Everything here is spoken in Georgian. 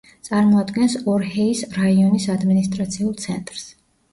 წარმოადგენს ორჰეის რაიონის ადმინისტრაციულ ცენტრს.